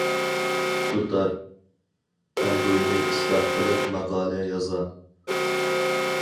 دۇتار، تەمبۇرنى ئىسلاھ قىلىپ ماقالە يازغان.